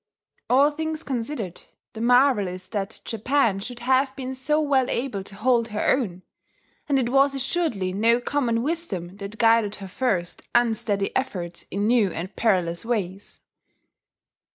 All things considered, the marvel is that Japan should have been so well able to hold her own; and it was assuredly no common wisdom that guided her first unsteady efforts in new and perilous ways.